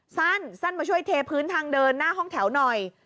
สั้นสั้นมาช่วยเทพื้นทางเดินหน้าห้องแถวหน่อย